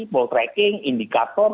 ball tracking indikator